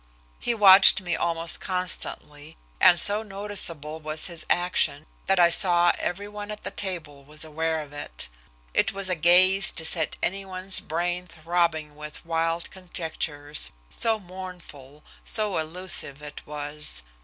He watched me almost constantly, and so noticeable was his action that I saw every one at the table was aware of it. It was a gaze to set any one's brain throbbing with wild conjectures, so mournful, so elusive it was.